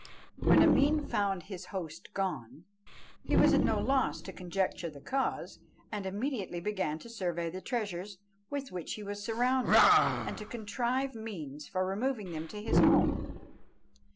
When Ameen found his host gone, he was at no loss to conjecture the cause, and immediately began to survey the treasures with which he was surrounded, and to contrive means for removing them to his home.